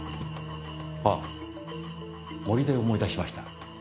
あ森で思い出しました。